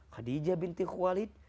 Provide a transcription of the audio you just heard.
khadijah binti khualid